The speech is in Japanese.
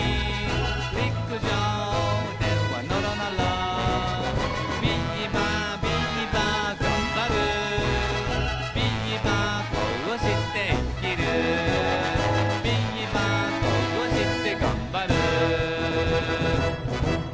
「りくじょうではのろのろ」「ビーバービーバーがんばる」「ビーバーこうしていきる」「ビーバーこうしてがんばる」